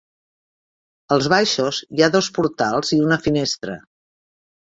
Als baixos hi ha dos portals i una finestra.